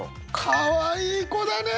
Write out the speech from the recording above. かわいい子だね。